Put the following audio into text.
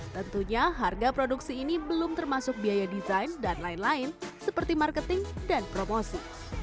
tentunya harga produksi ini belum termasuk biaya desain dan lain lain seperti marketing dan promosi